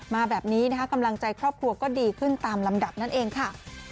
มาแบบนี้นะคะกำลังใจครอบครัวก็ดีขึ้นตามลำดับนั่นเองค่ะ